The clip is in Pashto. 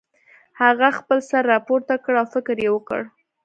هغه خپل سر راپورته کړ او فکر یې وکړ